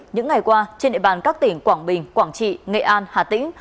những ngày qua trên địa bàn các tỉnh quảng bình quảng trị nghệ an hà tĩnh